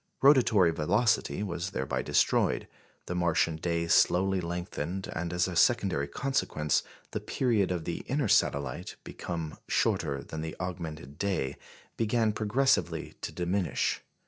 Rotatory velocity was thereby destroyed, the Martian day slowly lengthened, and, as a secondary consequence, the period of the inner satellite, become shorter than the augmented day, began progressively to diminish.